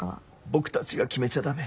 僕たちが決めちゃダメ。